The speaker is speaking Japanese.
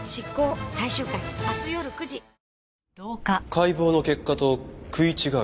解剖の結果と食い違う？